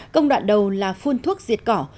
công đoạn đầu là phun thuốc diệt cỏ